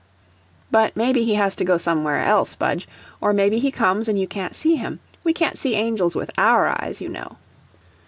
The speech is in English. "But maybe he has to go somewhere else, Budge, or maybe he comes and you can't see him. We can't see angels with OUR eyes, you know."